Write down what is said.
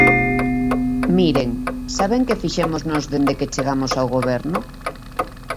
Miren, ¿saben que fixemos nós dende que chegamos ao Goberno?